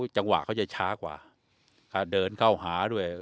จังหวะเขาจะช้ากว่าเดินเข้าหาด้วย